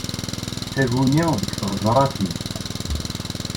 Taguni deg tɣeẓṛatin.